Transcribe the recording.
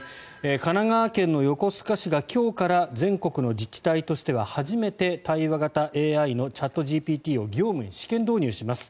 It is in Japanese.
神奈川県の横須賀市が今日から全国の自治体として初めて対話型ＡＩのチャットＧＰＴを業務に試験導入します。